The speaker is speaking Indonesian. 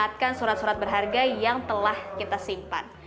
dan juga menyelamatkan surat surat berharga yang telah kita simpan